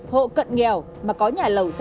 hộ cận nghèo mà có nhà lầu xe hơi